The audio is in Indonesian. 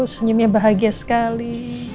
senyumnya bahagia sekali